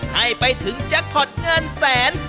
ให้ไปถึงจักรผอดเงินแสน